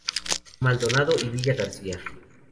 Maldonado y Villa García.